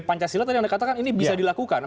pancasila tadi yang dikatakan ini bisa dilakukan